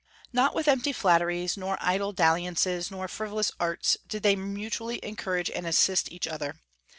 Not with empty flatteries, nor idle dalliances, nor frivolous arts did they mutually encourage and assist each other.